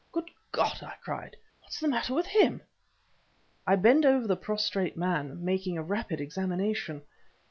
"Good God!" I cried "What's the matter with him?" I bent over the prostrate man, making a rapid examination.